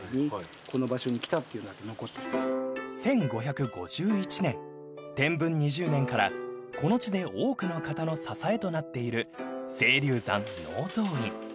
［１５５１年天文２０年からこの地で多くの方の支えとなっている青龍山能蔵院］